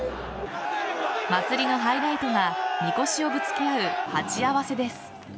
祭りのハイライトがみこしをぶつけ合う鉢合わせです。